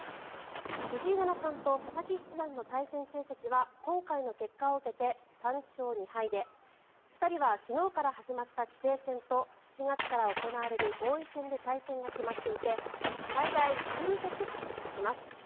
藤井七冠と佐々木七段の対戦成績は今回の結果を受けて３勝２敗で２人は昨日から始まった棋聖戦と７月から行われる王位戦で対戦が決まっていて最大１２局対戦します。